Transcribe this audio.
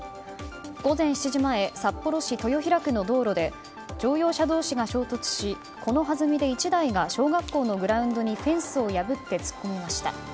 午前７時前札幌市豊平区の道路で乗用車同士が衝突しこのはずみで１台が小学校のグラウンドにフェンスを破って突っ込みました。